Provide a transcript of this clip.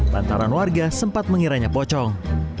lantaran warga sempat mengiranya pocong